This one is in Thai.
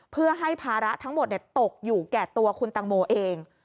เพื่อให้ภาระทั้งหมดตกอยู่แก่ตัวคุณตังโมเอง